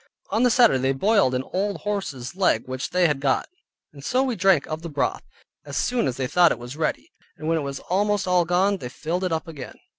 On the Saturday they boiled an old horse's leg which they had got, and so we drank of the broth, as soon as they thought it was ready, and when it was almost all gone, they filled it up again.